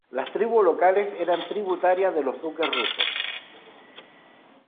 Las tribus locales eran tributarias de los duques rusos.